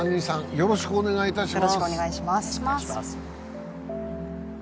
よろしくお願いします